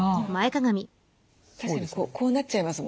確かにこうなっちゃいます